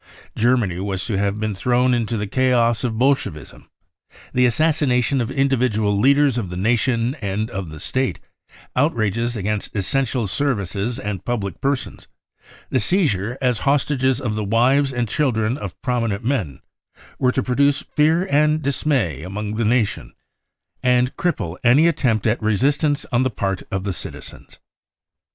Germany was to have been thrown into the chaos of Bolshevism. The assassination of individual leaders of the Nation and of the State, out rages against essential services and public persons, the seizure as hostages of the wives and children of prominent men, were to produce fear and dismay among the nation and cripple any attempt at resistance on the part of the citizens.